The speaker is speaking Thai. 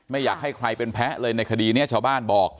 ไม่อยากให้ใครเป็นแพ้เลยในคดีนี้ชาวบ้านบอก